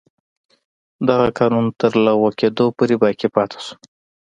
دغه قانون تر لغوه کېدو پورې باقي پاتې شو.